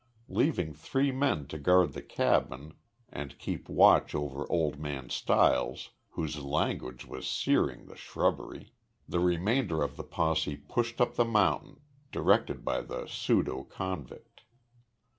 Leaving three men to guard the cabin and keep watch over Old Man Stiles, whose language was searing the shrubbery, the remainder of the posse pushed up the mountain, directed by the pseudoconvict.